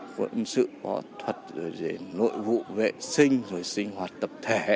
những sự bỏ thuật nội vụ vệ sinh rồi sinh hoạt tập thể